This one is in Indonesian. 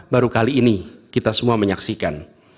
baru kali ini kita semua menyaksikan